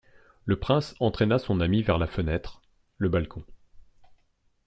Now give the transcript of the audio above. Le prince entraîna son ami vers la fenêtre, le balcon.